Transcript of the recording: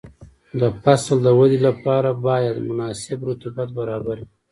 د فصل د ودې لپاره باید مناسب رطوبت برابر وي.